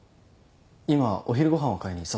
今お昼ご飯を買いに外へ。